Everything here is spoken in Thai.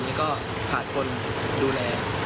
แล้วก็ขาดคนดูแล